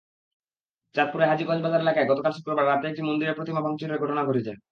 চাঁদপুরের হাজীগঞ্জ বাজার এলাকায় গতকাল শুক্রবার রাতে একটি মন্দিরে প্রতিমা ভাঙচুরের ঘটনা ঘটেছে।